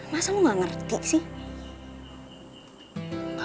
masa aku gak ngerti sih